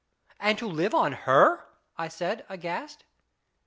" And to live on her ?" I said aghast.